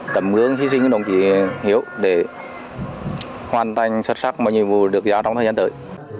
tầm gương hy sinh của đồng chí hiếu để hoàn thành xuất sắc mọi nhiệm vụ được giáo trong thời gian tới